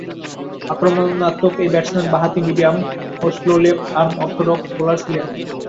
আক্রমণাত্মক এই ব্যাটসম্যান বাঁহাতি মিডিয়াম ও slow left arm orthodox bowler ছিলেন।